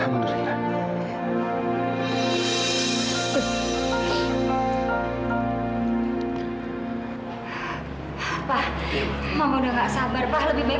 lebih baik mama masuk ke dalam air